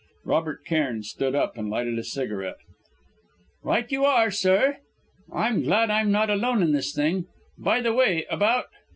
Robert Cairn stood up, and lighted a cigarette. "Right you are, sir!" he said. "I'm glad I'm not alone in this thing! By the way, about